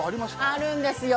あるんですよ。